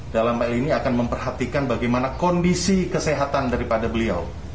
dalam hal ini akan memperhatikan bagaimana kondisi kesehatan daripada beliau